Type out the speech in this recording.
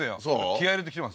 気合い入れて来てます